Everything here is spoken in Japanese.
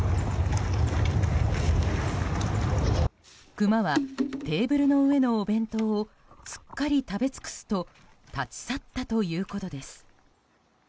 クマは、テーブルの上のお弁当をすっかり食べ尽くすと立ち去ったということです。